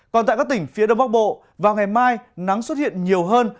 còn tại các tỉnh phía đông bắc bộ vào ngày mai nắng xuất hiện nhiều hơn